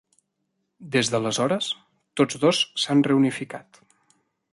Des d'aleshores, tots dos s'han reunificat.